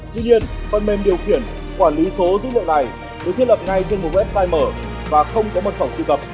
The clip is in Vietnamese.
tuy nhiên phần mềm điều khiển quản lý số dữ liệu này được thiết lập ngay trên một website mở và không có mật phòng truy cập